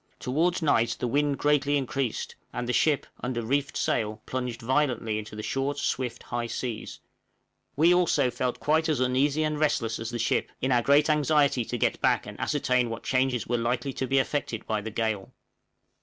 Towards night the wind greatly increased, and the ship, under reefed sail plunged violently into the short, swift, high seas; we also felt quite as uneasy and restless as the ship, in our great anxiety to get back and ascertain what changes were likely to be effected by the gale.